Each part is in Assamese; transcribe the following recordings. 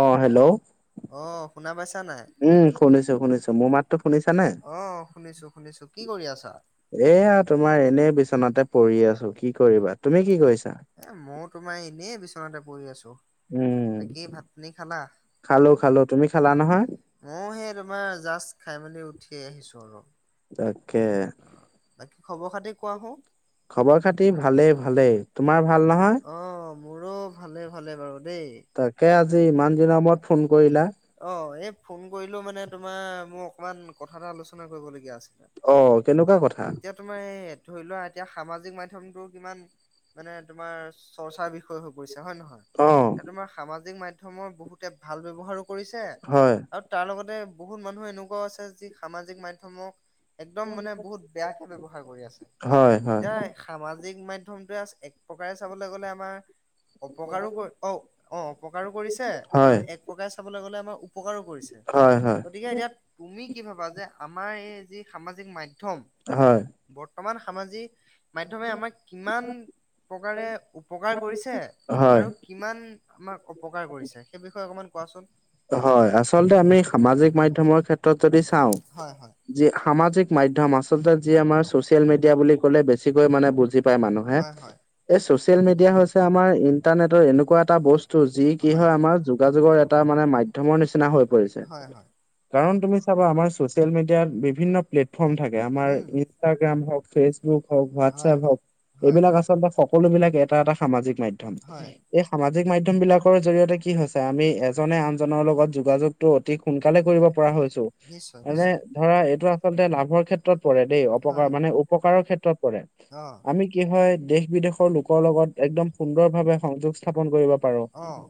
অ', হেল্ল' অ', শুনা পাইছা নাই? অ', শুনিছো শুনিছো। কি কৰি আছা? এইয়া তোমাৰ এনে বিচনাতে পৰি আছো, কি কৰিবা, তুমি কি কৰিছা? এ মইও তোমাৰ এনেই বিচনাতে পৰি আছো। বাকী ভাত-পানী খালা? মইও এই তোমাৰ জাষ্ট খাই মেলি উঠি আহিছো আৰু। তাকে। বাকী খবৰ খাতি কোৱাচোন? অ'। মোৰো ভালে-ভালে বাৰু দেই। তাকে আজি ইমান দিনৰ মূৰত ফোন কৰিলা। অ', এই ফোন কৰিলো মানে তোমাৰ, মোৰ অকমান কথা এটা আলোচনা কৰিবলগীয়া আছিল। অ', কেনেকুৱা কথা? এ তোমাৰ এই ধৰি লোৱা, এতিয়া সামাজিক মাধ্যমটো কিমান মানে তোমাৰ চৰ্চাৰ বিষয় হৈ পৰিছে হয় নহয়? এ তোমাৰ সামাজিক মাধ্যমৰ বহুতে ভাল ব্যৱহাৰো কৰিছে আৰু তাৰ লগতে বহুত মানুহ এনেকুৱাও আছে, যি সামাজিক মাধ্যমক একদম মানে বহুত বেয়াকে ব্যৱহাৰ কৰি আছে। সামাজিক মাধ্যমটোৱে এক প্ৰকাৰে চাবলৈ গ'লে আমাৰ অপকাৰো কৰি অ', অ', অপকাৰো কৰিছে আৰু এক প্ৰকাৰে চাবলৈ গ'লে আমাৰ উপকাৰো কৰিছে। গতিকে এতিয়া তুমি কি ভাবা যে আমাৰ এই যি সামাজিক মাধ্যমত হয়। বৰ্তমান সামাজিক মাধ্যমে আমাক কিমান প্ৰকাৰে উপকাৰ কৰিছে আৰু কিমান আমাক অপকাৰ কৰিছে সেই বিষয়ে অকণমান কোৱাচোন হয় আচলতে আমি সামাজিক মাধ্যমৰ ক্ষেত্ৰত যদি চাওঁ যি সামাজিক মাধ্যম আচলতে যি আমাৰ চ'চিয়েল মিডিয়া বুলি ক'লে বেছিকৈ মানে বুজি হয়, হয়। এই চ'চিয়েল মিডিয়া হৈছে আমাৰ ইণ্টাৰনেটৰ এনেকুৱা এটা বস্তু যি কি হয় আমাৰ যোগাযোগৰ এটা মানে মাধ্যমৰ নিচিনা হৈ পৰিছে কাৰণ তুমি চাব আমাৰ চচিয়েল মিডিয়াত বিভিন্ন প্লেটফৰ্ম থাকে আমাৰ ইনষ্টাগ্ৰাম হওঁক ফেচ ফেচবুক হওঁক হোৱাটছএপ হওঁক এইবিলাক আচলতে সকলোবিলাক এটা এটা সামাজিক মাধ্যম এই সামাজিক মাধ্যম বিলাকৰ জৰিয়তে কি হৈছে আমি জোনে আনজনৰ লগত যোগাযোগতটো অতি সোনকালে কৰিব পৰা হৈছোঁ। নিশ্চয়। মানে ধৰা এইটো আচলতে লাভৰ ক্ষেত্ৰত পৰে দেই অপকাৰ মানে উপকাৰৰ ক্ষেত্ৰত পৰে। আমি কি হয় দেশ বিদেশৰ লোকৰ লগত একদম সুন্দৰ ভাৱে সংযোগ স্থাপন কৰিব পাৰোঁ।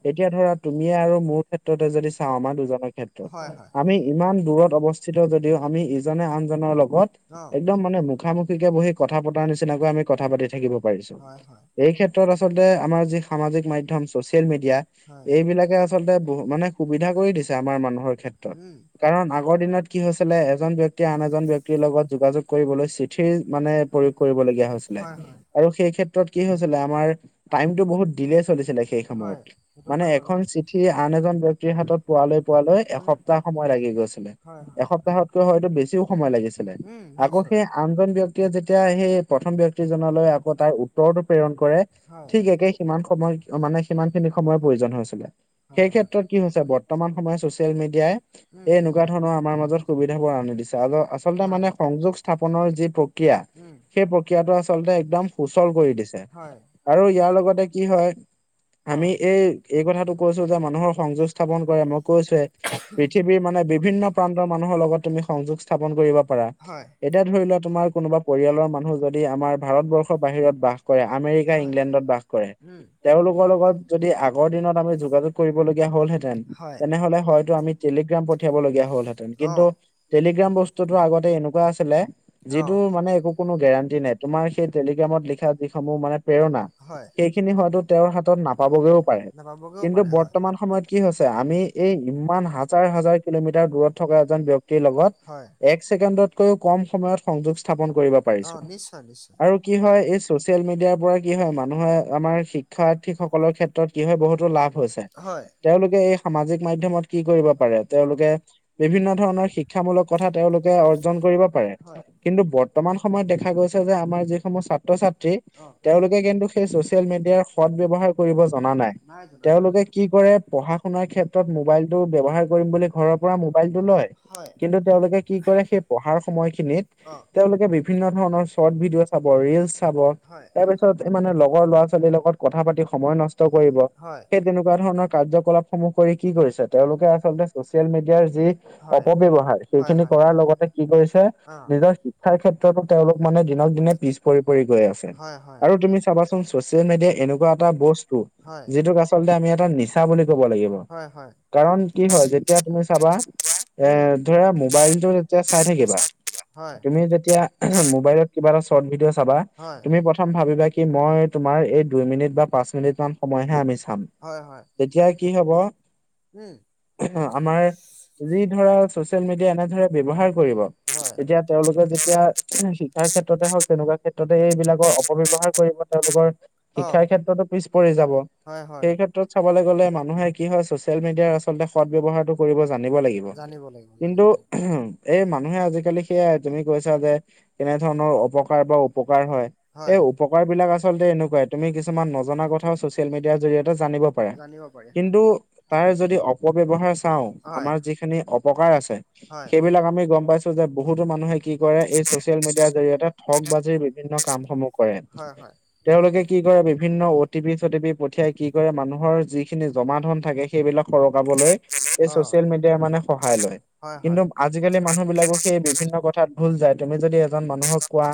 এতিয়া ধৰা তুমিয়ে আৰু মোৰ ক্ষেত্ৰতে যদি চাওঁ আমাৰ দুজনৰ ক্ষেত্ৰত আমি ইমান দূৰত অৱস্থিত যদিও আমি ইজনে আনজনৰ লগত একদম মানে মুখামুখিকে বহি কথা পতাৰ নিচিনাকৈ আমি কথা পাতি থাকিব পাৰিছোঁ। এই ক্ষেত্ৰত আচলতে আমাৰ যি সামাজিক মাধ্যম চ'চিয়েল মিডিয়া এইবিলাকে আচলতে মানে সুবিধা কৰি দিছে আমাৰ মানুহৰ ক্ষেত্ৰত কাৰণ আগৰ দিনত কি হৈছিল এজন ব্যক্তি এতিয়া আন এজন ব্যক্তিৰ লগত যোগাযোগ কৰিবলৈ চিঠিৰ মানে প্ৰয়োগ কৰিব লগগীয়া হৈছিলে। আৰু সেই ক্ষেত্ৰত কি হৈছিলে আমাৰ টাইমতটো বহুত ডিলে চলিছিলে সেই সময়ত মানে এখন চিঠি আন এজন ব্যক্তিৰ হাতত পোৱালৈ পোৱালৈ এসপ্তাহ সময় লাগি গৈছিলে এসপ্তাহত হয়তো বেছিও সময় লাগিছিলে আকৌ সেই আনজন ব্যক্তিয়ে যেতিয়া সেই প্ৰথম ব্যক্তিয়ে জনলৈ তাৰ উত্তৰটো প্ৰেৰণ কৰে ঠিক একে সিমান সময় মানে সিমান খিনি সময়ৰ প্ৰয়োজন হৈছিলে। সেই ক্ষেত্ৰত কি হৈছে বৰ্তমান সময়ত চ'চিয়েল মিডিয়াই এই এনেকুৱা ধৰণৰ আমাৰ মাজত সুবিধাবোৰ আনি দিছে আৰু আচলতে মানে সংযোগ স্থাপনৰ যি প্ৰক্ৰিয়া সেই প্ৰক্ৰিয়াটো আচলতে একদম সুচল কৰি দিছে আৰু ইয়াৰ লগতে কি হয় আমি এই এই কথাটো কৈছোঁ মানুহৰ সংযোগ স্থাপন কৰে মই কৈছোঁৱে পৃথিৱীৰ মানে বিভিন্ন প্ৰান্তৰ মানুহৰ লগত তুমি সংযোগ স্থাপন কৰিব পাৰা এতিয়া ধৰি লোৱা তোমাৰ কোনোবা পৰিয়ালৰ মানুহ যদি আমাৰ ভাৰত বাহিৰত বাস কৰে আমেৰিকা ইংলেণ্ডত বাস কৰে উম, তেওঁলোকৰ লগত যদি আগৰ দিনৰ যোগাযোগ কৰিবলগীয়া হলহেঁতেন তেনেহলে হয়তো আমি টেলিগ্ৰাম পঠিয়াব লগীয়া হলহেঁতেন কিন্তু টেলিগ্ৰাম বস্তুতটো আগতে এনেকুঁৱা আছিলে যিটো মানে একো কোনো গেৰাণ্টি নাই তোমাৰ সেই টেলিগ্ৰামত লিখা যিসমূহ মানে প্ৰেৰণা সেইখিনি হয়তো তেওঁৰ হাতত নাপাবগেও পাৰে। নেপাবোগে কিন্তু বৰ্তমান সময়ত কি হৈছে আমি এই ইমান হাজাৰ, হাজাৰ কিলোমিটাৰ দূৰত থকা এজন ব্যক্তিৰ লগত এক ছেকেণ্ডতকৈও কম সময়ত সংযোগ স্থাপন কৰিব পাৰি। অ', নিশ্চয়, নিশ্চয়। আৰু কি হয় এই চ'চিয়েল মিডিয়াৰ পৰা কি হয় মানুহে আমাৰ শিক্ষাৰ্থীসকলৰ ক্ষেত্ৰত ক্ষেত্ৰত কি হয় বহুতো লাভ হৈছে তেওঁলোকে এই সামাজিক মাধ্যমত কি কৰিব পাৰে তেওঁলোকে বিভিন্ন ধৰণৰ শিক্ষামূলক কথা তেওঁলোকে অৰ্জন কৰিব পাৰে, কিন্তু বৰ্তমান সময়ত দেখা গৈছে যে আমাৰ যি অসমৰ ছাত্ৰ ছাত্ৰী তেওঁলোকে কিন্তু সেই চ'চিয়েল মিডিয়াৰ সদ ব্যৱহাৰ কৰিব জনা নাই। নাই জ [unintelligible] তেওঁলোকে কি কৰে, পঢ়া শুনাৰ ক্ষেত্ৰত মোবাইল টো ব্যৱহাৰ কৰিম বুলি, ঘৰৰ পৰা মোবাইল টো লয়। কিন্তু তেওঁলোকে কি কৰে সেই পঢ়াৰ সময় খিনিত তেওঁলোকে বিভিন্ন ধৰণৰ শৰ্ট ভিডিঅ চ ৰিলচ চাব। তাৰ পিছত, মানে লগৰ ল'ৰা ছোৱালীৰ লগত কথা পাতি সময় নষ্ট কৰিব, সেই তেনেকুৱা কিবা ধৰণৰ কাৰ্যকলাপ সমূহ কৰি কি কৰিছে, তেওঁলোকে আচলতে চচিয়েল মিডিয়াৰ যি অপব্যৱহাৰ, সেইখিনি কৰাৰ লগতে কি কৰিছে, নিজৰ শিক্ষাৰ ক্ষেত্ৰত তেওঁলোক মানে, দিনক দিনে পিছ পৰি, পৰি, গৈ আছে। আৰু তুমি চাবাচোন, চচিয়েল মিডিয়া এনেকুৱা এটা বস্তু, যিটোক আচলতে আমি এটা নিচা বুলি ক'ব লাগিব, কাৰণ কি হয়, যেতিয়া তুমি চাবা এ, ধৰা মোবাইলটো তেতিয়া চাই থাকিবা হয়। এতিয়া মোবাইলত কিবা এটা চৰ্ট ভিডিঅ' চাবা, তুমি প্ৰথম ভাবিবাঁ কি, মই তোমাৰ এই দুই মিনিট বা, পাঁচ মিনিট মান সময়হে আমি চাম হয় হয়। তেতিয়া কি হব উম। আমাৰ যি ধৰা, চ'চিয়েল মিডিয়া এনেধৰে ব্যৱহাৰ কৰিব এতিয়া তেওঁলোকে যেতিয়া, শিক্ষাৰ ক্ষেত্ৰতে হওঁক, তেনেকুৱা ক্ষেত্ৰতে এইবিলাকৰ অপব্যৱহাৰ কৰিব তেওঁলোকৰ, শিক্ষাৰ পিছটো পিছ পৰি যাব। হয় হয়। সেই ক্ষেত্ৰত চাবলৈ গ'লে, মানুহে কি হয় সৎ ব্যৱয়হাৰটো কৰিব জানিব লাগিব, কিন্তু, মানুহে আজিকালি সেয়াই তুমি কৈছাঁ যে, কেনে ধৰণৰ অপকাৰ বা উপকাৰ হয় এই উপকাৰ বিলাক আচলতে এনেকুৱাই, তুমি কিছুমান নজনা কথাও চ'চিয়েল মিডিয়াৰ জৰিয়তে জানিব কিন্তু, তাৰ যদি অপব্যৱহাৰ চাওঁ, আমাৰ যিখিনি অপকাৰ আছে সেইবিলাক আমি গম পাইছোঁ যে, বহুতো মানুহে কি কৰে এই চ'চিয়েল মিডিয়াৰ জৰিয়তে, ঠগ বাজিৰ বিভিন্ন কামসমূহ কৰে। তেওঁলোকে কি কৰে, বিভিন্ন অ টি পি চটি পি পঠিয়াই কি কৰে মানুহ ধৰ যিখিনি জমা ধন থাকে, সেইবিলাক সৰকাবলৈ এই চচিয়েল মিডিয়াই মানে সহায় লয়। হয় হয়। আজিকালি মানুহবিলাকক সেই বিভিন্ন কথাত ভুল যায়, তুমি যদি এজন মানুহক কোৱা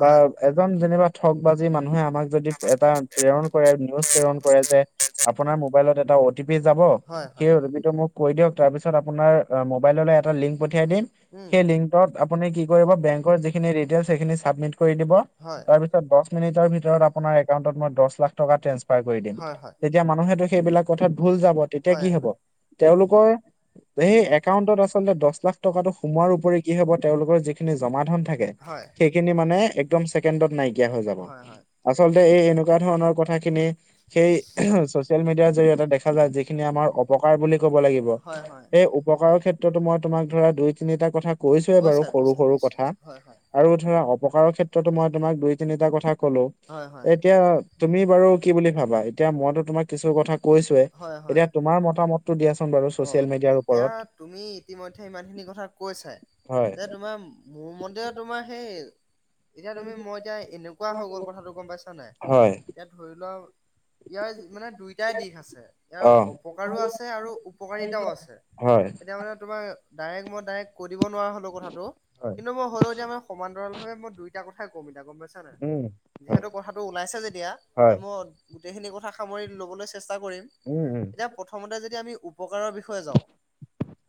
বা এজন যেনিবা ঠগ বাজি মানুহে, আমাক যদি এটা প্ৰেৰণ কৰে, নিউজ প্ৰেৰণ কৰে যে আপোনাৰ মোবাইলত এটা অ'টি পি যাব সেই অটিপিটো মোক কৈ দিয়ক, তাৰ পিছত আপোনাৰ মোবাইল এটা লিং ঠিয়াই দিম উম। আপুনি কি কৰিব। বেংকৰ যিখিনি ডিটেইলছ সেইখিনি চাবমিট কৰি দিব তাৰ পিছত দহ মিনিটৰ ভিতৰত মই, আপোনাৰ একাউণ্টত মই দহ লাখ টকা ট্ৰেন্সফাৰ কৰি দিম। তেতিয়া মানুহেটো সেইবিলাক কথাত ভুল যাব। তেতিয়া কি হ'ব তেওঁলোকৰ সেই একাউণ্টত আচল দহ লাখ টকাটো সোমোৱাৰ উপৰি কি হ'ব, তেওঁলোকৰ যিখিনি জমা ধন থাকে থাকে। সেইখিনি মানে একদম ছেকেণ্ডত নাইকিয়া হৈ যাব। আচলতে এই এনেকুৱা ধৰণৰ কথাখিনিত সেই ছচিয়েল মিডিয়াৰ জৰিয়তে দেখা যায়। যিখিনি আমাৰ অপকাৰ বুলি ক'ব লাগিব। সেই উপকাৰৰ ক্ষেত্ৰ টো মই তোমাক ধৰা দুই তিনিটা কথা, কৈছোঁৱে বাৰু সৰু-সৰু কথা আৰু ধৰা অপকাৰৰ ক্ষেত্ৰতো মই তোমাক দুই তিনিটা কথা ক'লো। এতিয়া তুমি বাৰু কি বুলি ভাবাঁ? এতিয়া মইতো তোমাক কিছু কথা কৈছোঁয়ে। এতিয়া তোমাৰ মতামতটো দিয়াচোন বাৰু ছচিয়েল মিডিয়াৰ ও এতিয়া তুমি ইতিমধ্যে ইমানখিনি কথা কৈছাঁই। যে তোমাৰ মোৰ ম'তেও তোমাৰ সেই, এতিয়া তুমি, মই এতিয়া এনেকুৱা হৈ গ'ল কথাটো গম পাইছাঁ নাই, ইয়াত ধৰি লোৱা, ইয়াৰ মানে দুই দুটাই দিশ আছে, ইয়াৰ অপকাৰো আছে, আৰু উপকাৰিতাও আছে, এতিয়া মানে তোমাৰ ডাইৰেক্ট, মই ডাইৰেক্ট কৈ দিব নোৱাৰা হ'লো কথাটো, কিন্তু মই হলেওঁ এতিয়া মই সমান্তৰাল হৈ মই দুইটা কথাই কম এতিয়া ছা নাই, যিহেতু কথাটো ওলাইছে যেতিয়া, মোৰ গোটেইখিনি কথা সামৰি ল'বলৈ চেষ্টা কৰিম। উম উম। প্ৰথমতে যদি আমি উপকাৰৰ বিষয়ে যাওঁ,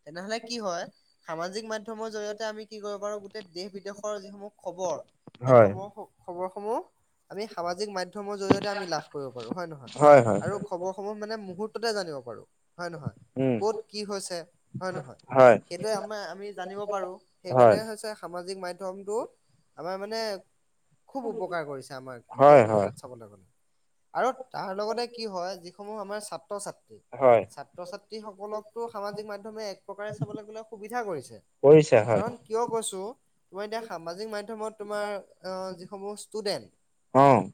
তেনেহলে কি হয়, সামাজিক মাধ্যম মৰ জৰিয়তে আমি কি কৰিব পাৰোঁ, গোটেই দেশ বিদেশৰ যিসমূহ খবৰ, সেই খবৰ খবৰসমূহ, আমি সামাজিক মাধ্যমৰ জৰিয়তে আমি লাভ কৰিব পাৰো, হয় নে নহয়? আৰু খবৰ সমূহ মানে মুহৰ্ততে জানিব পাৰো, হয় নে নহয়? ক'ত কি হৈছে, হয় নে নহয়? সেইটোৱে আমাৰ আমি জানিব পাৰোঁ, সেইকাৰণে হৈছে। সামাজিক মাধ্যমটো, আমাৰ মানে খুব উপকাৰ কৰিছে আমাক, সেইটো ক্ষেত্ৰত চাবলৈ গ'লে, আৰু তাৰ লগতে কি হয়, যি সমূহ আমাৰ ছাত্ৰ-ছাত্ৰী। ছাত্ৰ-ছাত্ৰী সকলকো সামাজিক মাধ্যমে এক প্ৰকাৰে চাবলে গ'লে সুবিধা কৰিছে। কাৰণ, কিয় কৈছো তোমাৰ এতিয়া সামাজিক মাধ্যমত তোমাৰ যিসমূহ ষ্টুডেন্ট।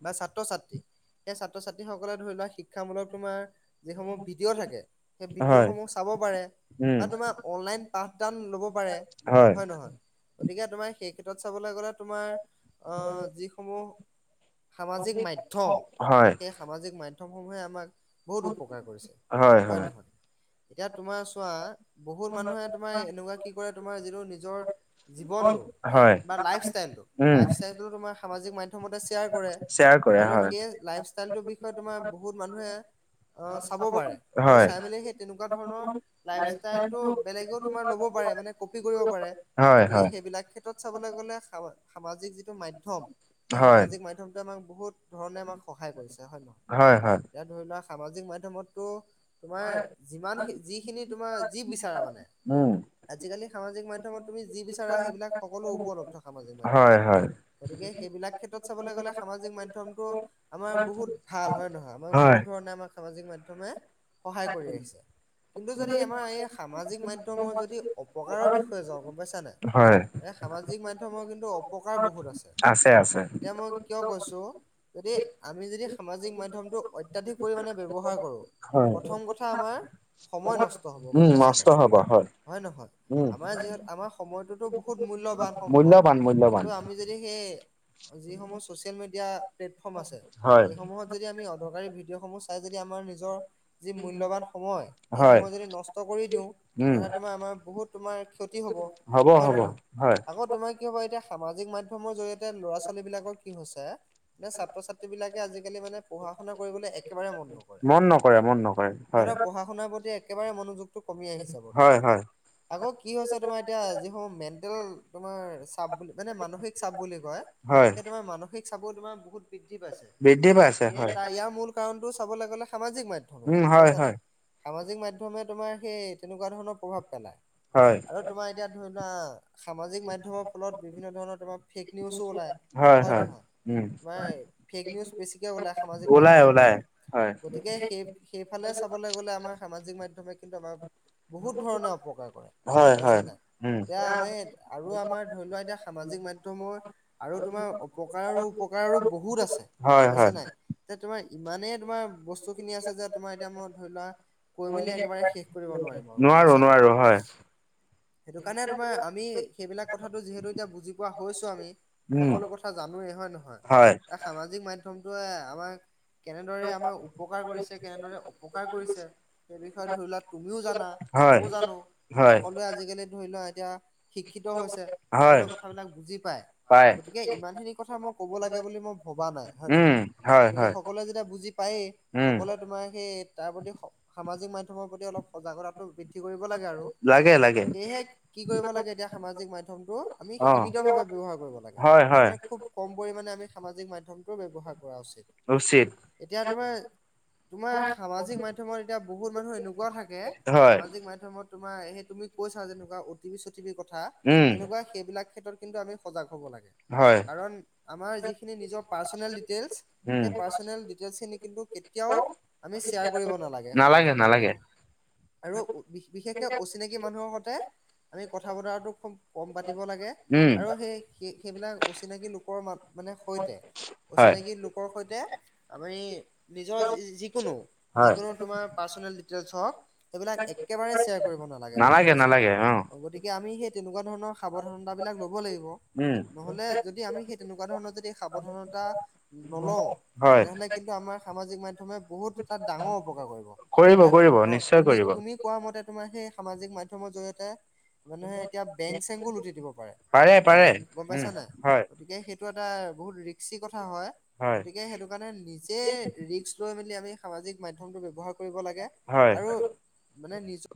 বা ছাত্ৰ-ছাত্ৰী, সেই ছাত্ৰ-ছাত্ৰীসকলে ধৰি লোৱা শিক্ষামূলক তোমাৰ যিসমূহ ভিডিঅ' থাকে, সেই ভিডিঅ'সমূহ চাব পাৰে। বা তোমাৰ অনলাইন পাঠদান লব পাৰে, হয় নে নহয়? গতিকে তোমাৰ সেই ক্ষেত্ৰত চাবলৈ গ'লে, তোমাৰ, আহ যিসমূহ সামাজিক মাধ্যম, সেই সামাজিক মাধ্যম সমূহে আমাক বহুত উপকাৰ কৰিছে, হয় নে নহয়? এতিয়া তোমাৰ চোৱা, বহুত মানুহে তোমাৰ এনেকুৱা কি কৰে, তোমাৰ যিটো নিজৰ জীৱনটো, বা লাইফষ্টাইলটো, লাইফষ্টাইলটো তোমাৰ সামাজিক মাধ্যমতে শ্বেয়াৰ কৰে। আৰু সেই লাইফষ্টাইলটোৰ বিষয়ে তোমাৰ বহুত মানুহে আহ চাব পাৰে, আৰু চাই মেলি সেই তেনেকুৱা ধৰণৰ লাইফ ষ্টাইলটো বেলেগেও তোমাৰ ল'ব পাৰে, মানে কপি কৰিব পাৰে। গতিকে সেইবিলাক ক্ষেত্ৰত চাবলৈ গ'লে সামাজিক যিটো মাধ্যম। এই সামাজিক মাধ্যমটোৱে আমাক বহুত ধৰণে আমাক সহায় কৰিছে, হয়। এতিয়া ধৰি লোৱাক সামাজিক মাধ্যমতটো তোমাৰ যিমান যিখিনি তোমাৰ যি বিচাৰা মানে, আজিকালি সামাজিক মাধ্যমত তুমি যি বিচাৰা সেইবিলাক সকলো উপলব্ধ সামাজিক মাধ্যমত। গতিকে সেইবিলাক ক্ষেত্ৰত চাবলৈ গ'লে সামাজিক মাধ্যমটো আমাৰ বহুত ভাল হয় নে নহয়, আমাৰ বহুত ধৰণে আমাৰ সামাজিক মাধ্যমে সহায় কৰি আহিছে, কিন্তু যদি আমাৰ এই সামাজিক মাধ্যমৰ যদি অপকাৰৰ বিষয়ে যাওঁক সমাজিক মাধমৰ কিন্তু অপকাৰ বহুত আছে। এ মই কিয় কৈছোঁ যদি, আমি যদি সামাজিক মাধ্যমটো অত্যাধিক পৰিমাণে ব্যৱহাৰ কৰো। প্ৰথম কথা আমাৰ, সময় নষ্ট হ'ব, গম পাইছা নে? হয় নহয়, আমাৰ যিহেত আমাৰ সময়টোতো বহুত মূল্যবান সম্পদ, কিন্তু আমি যদি সেই, যিসমূহ সচিয়েল মিডিয়া প্লেটফৰ্ম আছে, এইসমূহত যদি আমি অদৰকাৰী ভিডিঅ' সমূহ চাই যদি আমাৰ নিজৰ যি মূল্যৱান সময়, সেই সময় যদি নষ্ট কৰি দিওঁ, তেনেহ'লে তোমাৰ আমাৰ বহুত তোমাৰ ক্ষ হব‌, হয় নহয়, আৰু আকৌ তোমাৰ কি হ'ব এতিয়া সামাজিক মাধ্যমৰ জৰিয়তে ল'ৰা ছোৱালী বিলাকৰ কি হৈছে নে ছাত্ৰ ছাত্ৰী বিলাকে আজিকালি মানে পঢ়া শুনা কৰিবলৈ একেবাৰে মন নকৰে, সিহঁতৰ পঢ়া শুনাৰ প্ৰতি একেবাৰে মনোযোগটো কমি আহিছে বৰ্তমান, আকৌ কি হৈছে তোমাৰ এতিয়া যিসমূহ মেণ্টেল তোমাৰ চাপ বুলি মানে মানসিক চাপ বুলি কয় সেই তোমাৰ মানসিক চাপৰ তোমাৰ বহুত বৃদ্ধি পাইছে প সেয়ে ত ইয়াৰ মূল কাৰণটো চাবলৈ গ'লে সামাজিক মাধ্যমে গ'ম পাইছানে। সামাজিক মাধ্যমে তোমাৰ সেই তেনেকুৱা ধৰণৰ প্ৰভাৱ পেলায় হয়। আৰু তোমাৰ এতিয়া ধৰিলোৱা সামাজিক মাধ্যমৰ ফলত বিভিন্ন ধৰণৰ ফেক নিউজো ওলায় হয় নহয় তোমাৰ মাৰ ফেক নিউজ বেছিকৈ ওলায় সামাজিক মাধ্যমতে গতিকে সেই সেইফালে চাবলৈ গ'লে আমাৰ সামাজিক মাধ্যমে কিন্তু আমাক বহুত ধৰণে অপকাৰ কৰে গ'ম পাইছা নাই এতিয়া আমি আৰু আমাৰ ধৰি লোৱা এতিয়া সামাজিক মাধ্যমৰ আৰু তোমাৰ অপকাৰ আৰু উপকাৰৰো বহুত আছে হয়, হয়। এতিয়া তোমাৰ ইমানেই তোমাৰ বস্তু খিনি আছে যে তোমাৰ এতিয়া মই ধৰি লোৱা কৈ মেলি একেবাৰে শেষ কৰিব নোৱাৰিম আৰু গ'ম পাইছা নাই। হয়। সেইটো কাৰণে তোমাৰ আমি সেইবিলাক কথাতটো যিহেতু এতিয়া বুজি পোৱা হৈছোঁ আমি সকলো কথা জানোৱেই হয় নহয় এই সামাজিক মাধ্যমটোৱে আমাক কেনেদৰে আমাৰ উপকাৰ কৰিছে কেনেদৰে অপকাৰ কৰিছে সেই বিষয়ে ধৰি লোৱা তুমিও জানা ময়ো জানো সকলোৱে আজিকালি ধৰি লোৱা এতিয়া শিক্ষিত হৈছে সকলোৱে কথাবিলাক বুজি পায় গতিকে ইমানখিনি কথা মোক ক'ব লাগে বুলি মই ভবা নাই হয়ে নহয় গতিকে সকলোৱে যেতিয়া বুজি পায়েই সকলোৱে তোমাৰ সেই তাৰ প্ৰতি স সামাজিক মাধ্যমৰ প্ৰতি অলপ সজাগতাটো বৃদ্ধি কৰিব লাগে আৰু লাগে, লাগে। সেয়েহে কি কৰিব লাগে এতিয়া সামাজিক মাধ্যমতো আমি সীমিত ভাৱে ব্যৱহাৰ কৰিব লাগে। হয়, হয়। কম পৰিমাণে আমি সামাজিক মাধ্যমটো ব্যয়ৱহাৰ কৰা উচিত এতিয়া তোমাৰ তোমাৰ সামাজিক মাধ্যমত এতিয়া বহুত মানুহ এনেকুৱা থাকে সামাজিক মাধ্যম মই তোমাৰ সেই তুমি কৈছা যেনেকুৱা অ টি ভি চটিভি কথা তেনেকুৱা সেইবিলাক ক্ষেত্ৰত কিন্তু আমি সজাগ হ'ব লাগে। কাৰণ আমাৰ যিখিনি নিজৰ পাৰ্চনেল ডিটেইলছ সেই পাৰ্চনেল ডিটেইলচ খিনি কিন্তু কেতিয়াও আমি শ্বেয়াৰ কৰিব নালাগে সামাজিক মাধ্যম আৰু বিশেষকে উচ মানুহৰ সৈতে কথা বতৰাটো কম পাতিব লাগে আৰু সেই সেইবিলাক অচিনাকি লোকৰ ম মানে সৈতে অচিনাকি লোকৰ সৈতে আমি নিজৰ যিকোনো যিকোনো তোমাৰ পাৰ্চনেল ডিটেইলচছ হওঁক সেইবিলাক একেবাৰে শ্বেয়াৰ কৰিব নাল লাগে বুজি পাইছা গতিকে আমি সেই তেনেকুৱা ধৰণৰ সাৱধানতা বিলাক ল'ব লাগিব। নহলে যদি আমি সেই তেনেকুৱা ধৰণৰ যদি সাৱধানতা নলওঁ তেনেহলে কিন্তু আমাৰ সামাজিক মাধ্যয়মে বহুত এটা ডাঙৰ অপকাৰ কৰিব ইায়াত অ', তুমি তুমি কোৱা মতে তোমাৰ সেই সামাজিক মাধ্যয়মৰ জৰিয়তে মানুহে এতিয়া বেং চেংগো লুটি দিব পাৰে মানে গম পাইছা নাই গতিকে সেই এইটো এটা বহুত ৰিক্সি কথা হয় গতিকে সেইটো কাৰণে নিজে ৰিক্স লৈ মেলি আমি সাজিক মাধ্যমটো ব্যৱহাৰ কৰিব লাগে আৰু মানে নিজৰ